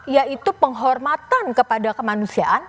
yaitu penghormatan kepada kemanusiaan